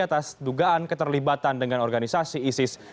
atas dugaan keterlibatan dengan organisasi isis